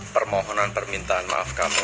permohonan permintaan maaf kamu